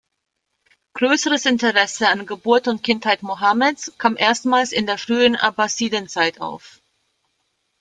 Größeres Interesse an Geburt und Kindheit Mohammeds kam erstmals in der frühen Abbasidenzeit auf.